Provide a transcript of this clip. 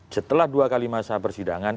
setelah dua kali masa persidangan